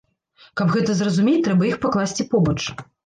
Каб гэта зразумець, трэба іх пакласці побач.